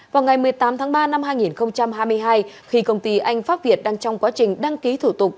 vào ngày một mươi tám tháng ba năm hai nghìn hai mươi hai khi công ty anh pháp việt đang trong quá trình đăng ký thủ tục